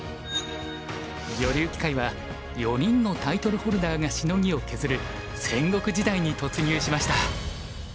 女流棋界は４人のタイトルホルダーがしのぎを削る戦国時代に突入しました。